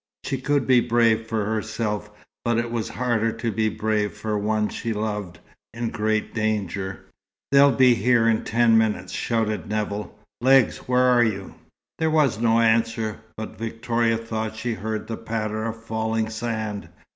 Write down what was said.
She could be brave for herself, but it was harder to be brave for one she loved, in great danger. "They'll be here in ten minutes," shouted Nevill. "Legs, where are you?" There was no answer; but Victoria thought she heard the patter of falling sand.